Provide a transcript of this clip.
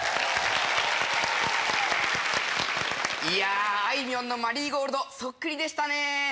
いやあいみょんの『マリーゴールド』そっくりでしたね。